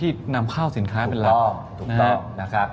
ที่นำเข้าสินค้าเป็นลักษณ์